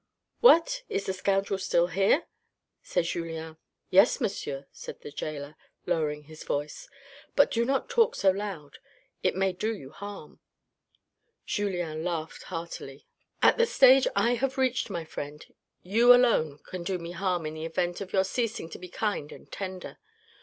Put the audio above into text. What, is that scoundrel still here ?" said Julien. " Yes, monsieur," said the gaoler, lowering his voice. " But do not talk so loud, it may do you harm." Julien laughed heartily. " At the stage I have reached, my friend, you alone can do me harm in the event of your ceasing to be kind and tender.